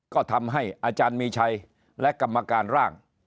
ก็ทำให้อาจารย์มีชัยและกรรมการร่าง